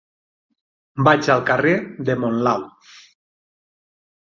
Vaig al carrer de Monlau.